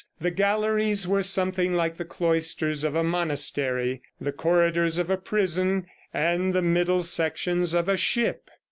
The galleries were something like the cloisters of a monastery, the corridors of a prison, and the middle sections of a ship.